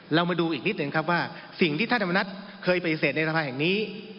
เรามาดูอีกนิดนึงครับว่าสิ่งที่ท่านธรรมนัฐเคยปฏิเสธในสภาแห่งนี้